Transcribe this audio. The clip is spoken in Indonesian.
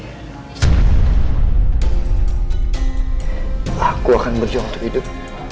aku akan berjuang untuk hidup